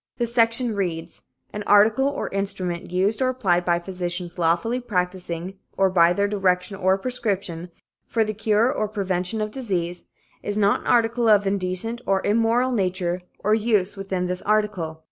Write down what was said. This section reads: 'An article or instrument, used or applied by physicians lawfully practicing, or by their direction or prescription, for the cure or prevention of disease, is not an article of indecent or immoral nature or use, within this article.